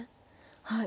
はい。